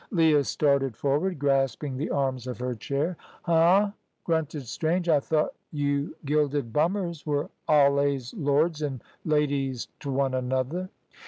Leah started forward, grasping the arms of her chair. "Huh!" grunted Strange. "I thought you gilded bummers were allays lords an' ladies t' one another."